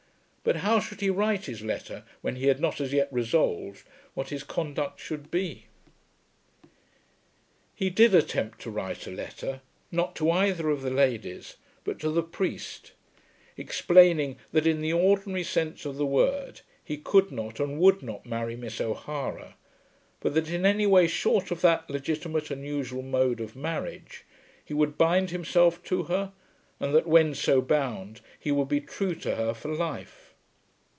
But how should he write his letter when he had not as yet resolved what his conduct should be? He did attempt to write a letter, not to either of the ladies, but to the priest, explaining that in the ordinary sense of the word he could not and would not marry Miss O'Hara, but that in any way short of that legitimate and usual mode of marriage, he would bind himself to her, and that when so bound he would be true to her for life.